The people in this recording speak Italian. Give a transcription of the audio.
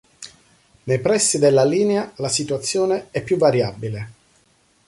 Nei pressi della linea la situazione è più variabile.